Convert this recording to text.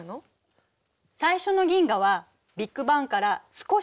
最初の銀河はビッグバンから「少しあと」に出来たの。